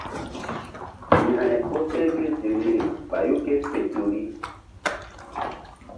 Yȩkre koseh ké ziŋ niri ɓayu ké fe ƴo ri.